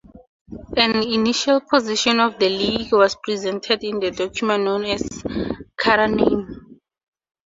An initial position of the league was presented in the document known as Kararname.